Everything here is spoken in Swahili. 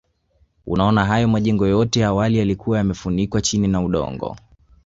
Unaona hayo majengo yote awali yalikuwa yamefukiwa chini na udongo